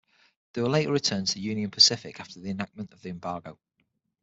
They were later returned to Union Pacific after the enactment of the embargo.